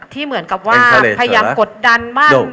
เหมือนกับว่าพยายามกดดันบ้าง